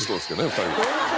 ２人。